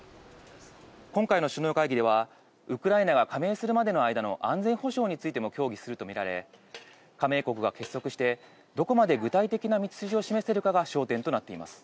今回の首脳会議では、ウクライナが加盟するまでの間の安全保障についても協議すると見られ、加盟国が結束して、どこまで具体的な道筋を示せるかが焦点となっています。